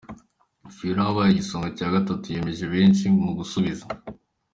Fiona wabaye igisonga cya gatatu yemeje benshi mu gusubiza.